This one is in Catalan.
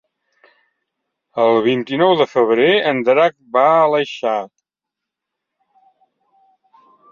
El vint-i-nou de febrer en Drac va a l'Aleixar.